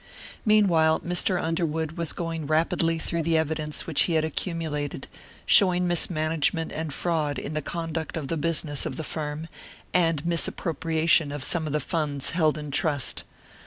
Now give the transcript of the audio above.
Meanwhile, Mr. Underwood was going rapidly through the evidence which he had accumulated, showing mismanagement and fraud in the conduct of the business of the firm and misappropriation of some of the funds held in trust.